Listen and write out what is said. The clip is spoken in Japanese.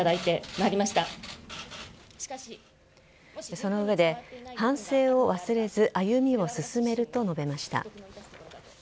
その上で、反省を忘れず歩みを進めると述べました。